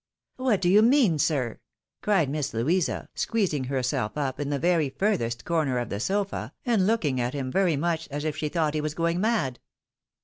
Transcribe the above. " "What DO you mean, sir?" cried Miss Louisa, squeezing herself up in the very furthest corner of the sofa, and looking at him very much, as if she thought he was going mad.